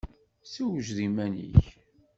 Sewjed iman-ik!